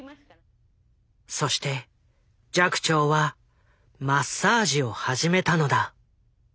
そして寂聴はマッサージを始めたのだ。